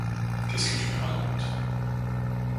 Qu'est-ce que tu me racontes ?